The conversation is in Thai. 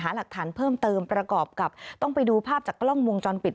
หลักฐานเพิ่มเติมประกอบกับต้องไปดูภาพจากกล้องวงจรปิด